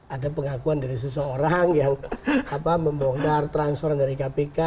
ada pengakuan dari seseorang yang membongkar transfer dari kpk